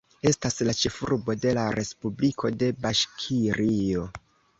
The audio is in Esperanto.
Estas la ĉefurbo de la respubliko de Baŝkirio.